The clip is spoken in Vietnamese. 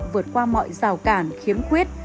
vượt qua mọi rào cản khiếm khuyết